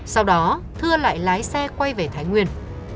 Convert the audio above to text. sau đó thưa lại lái xe quay về thái nguyên